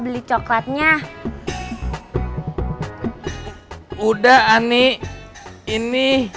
lo kok bersyukur